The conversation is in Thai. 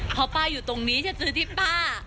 เพราะป้าอยู่ตรงนี้จะซื้อที่ป้า